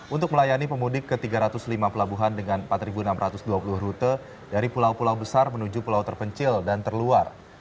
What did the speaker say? untuk melayani pemudik ke tiga ratus lima pelabuhan dengan empat enam ratus dua puluh rute dari pulau pulau besar menuju pulau terpencil dan terluar